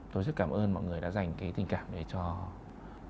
tôi rất cảm ơn mọi người đã dành cái tình cảm này đến tôi